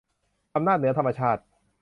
อำนาจเหนือธรรมชาติ